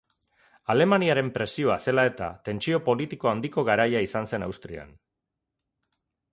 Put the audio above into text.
Alemaniaren presioa zela-eta, tentsio politiko handiko garaia izan zen Austrian.